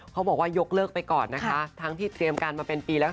บอกว่ายกเลิกไปก่อนนะคะทั้งที่เตรียมการมาเป็นปีแล้ว